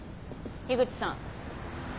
樋口さん。